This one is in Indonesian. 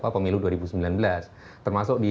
pemilu dua ribu sembilan belas termasuk di